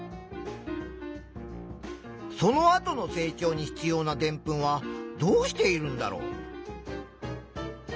そのあとの成長に必要なでんぷんはどうしているんだろう。